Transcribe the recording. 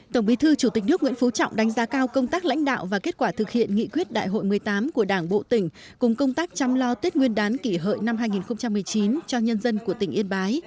tổng bí thư chủ tịch nước đã tặng quà cho hai trăm linh hộ gia đình nghèo đồng bào dân tộc thiểu số trên địa bàn huyện trấn yên